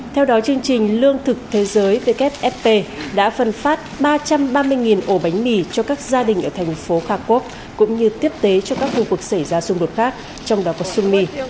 theo đó chương trình lương thực thế giới wfp đã phân phát ba trăm ba mươi ổ bánh mì cho các gia đình ở thành phố kharkov cũng như tiếp tế cho các khu vực xảy ra xung đột khác trong đó có summi